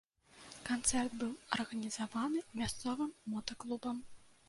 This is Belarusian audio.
Канцэрт быў арганізаваны мясцовым мотаклубам.